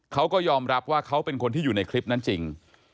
เขาก็ยอมรับว่าเขาเป็นคนที่อยู่ในคลิปนั้นจริง